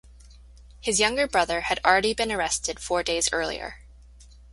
His younger brother had already been arrested four days earlier.